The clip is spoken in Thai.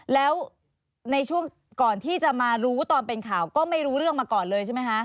แล้วในช่วงก่อนที่จะมารู้ตอนเป็นข่าวก็ไม่รู้เรื่องมาก่อนเลยใช่ไหมคะ